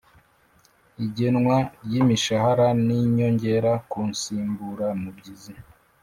igenwa ry’ imishahara n’ inyongera ku nsimburamubyizi